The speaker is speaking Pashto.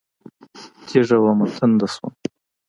تږې ومه، تنده شوم